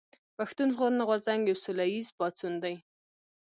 پښتون ژغورني غورځنګ يو سوله ايز پاڅون دي